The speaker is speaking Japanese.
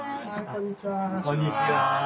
こんにちは。